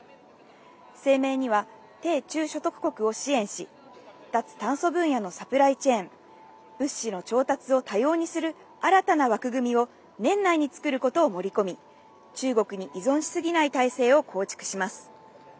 声明には、低中所得国を支援し、脱炭素分野のサプライチェーン、物資の調達を多様にする、新たな枠組みを年内に作ることを盛り込み、中国に依存し過ぎない体制を構築します。